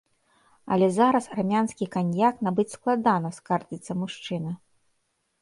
Але зараз армянскі каньяк набыць складана, скардзіцца мужчына.